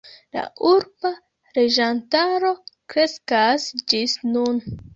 La urba loĝantaro kreskas ĝis nun.